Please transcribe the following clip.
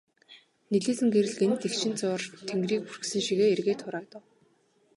Нэлийсэн гэрэл гэнэт эгшин зуур тэнгэрийг бүрхсэн шигээ эргээд хураагдав.